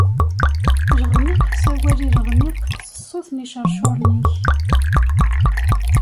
Leɣmiq isawal i leɣmiq s ṣṣut n icercuren-ik.